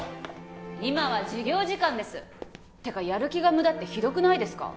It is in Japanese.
今は授業時間ですてかやる気が無駄ってひどくないですか？